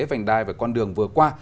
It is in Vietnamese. vành đai và con đường vừa qua